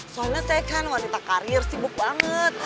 soalnya saya kan wanita karir sibuk banget